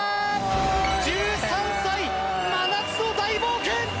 １３歳、真夏の大冒険！